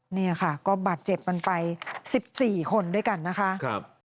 นี่ค่ะก็บาดเจ็บกันไป๑๔คนด้วยกันนะคะ